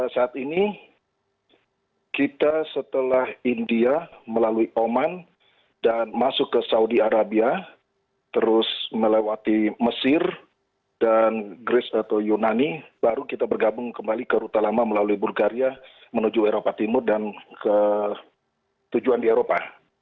saat ini kita setelah india melalui oman dan masuk ke saudi arabia terus melewati mesir dan greece atau yunani baru kita bergabung kembali ke rute lama melalui bulgaria menuju eropa timur dan ke tujuan di eropa